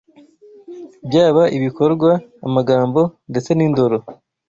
Byaba ibikorwa, amagambo ndetse n’indoro